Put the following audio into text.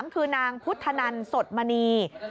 คือนางพุทธนันสดมณี